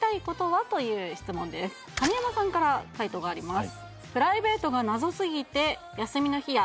神山さんから回答があります